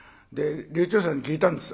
柳朝さんに聞いたんです。